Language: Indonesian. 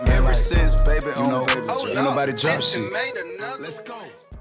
thank you banyak ya